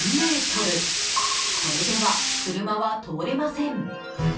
これでは車は通れません。